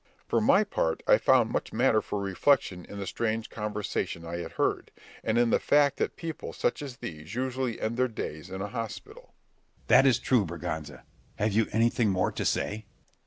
For my part I found much matter for reflection in the strange conversation I had heard, and in the fact that people such as these usually end their days in a hospital. Scip. That is true, Berganza. Have you anything more to say?